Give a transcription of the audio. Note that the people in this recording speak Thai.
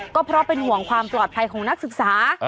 ก็เพราะเป็นห่วงความปลอดภัยของนักศึกษา